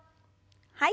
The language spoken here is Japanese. はい。